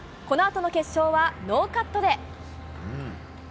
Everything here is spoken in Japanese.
このあとの決勝はノーカットで。